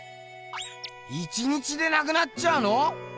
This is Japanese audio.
１日でなくなっちゃうの？